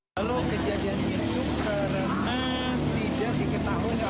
lalu kejadian itu karena tidak diketahui